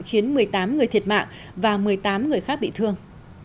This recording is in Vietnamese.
khiến một mươi tám người thiệt mạng và một mươi tám người khác bị thương